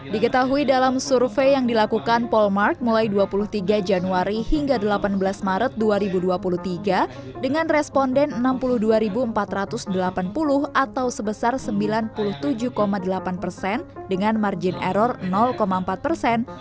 diketahui dalam survei yang dilakukan polmark mulai dua puluh tiga januari hingga delapan belas maret dua ribu dua puluh tiga dengan responden enam puluh dua empat ratus delapan puluh atau sebesar sembilan puluh tujuh delapan persen dengan margin error empat persen